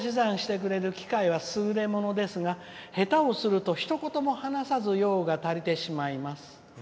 自動で足し算してくれる機械はすぐれものですが下手をするとひと言も話さず用が足りてしまいます。